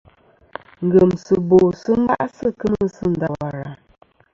Ngemsɨbo ba'sɨ kemɨ sɨ Ndawara.